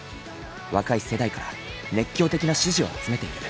若い世代から熱狂的な支持を集めている。